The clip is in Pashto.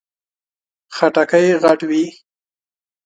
خټکی غټ وي.